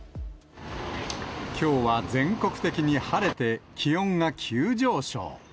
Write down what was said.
きょうは全国的に晴れて、気温が急上昇。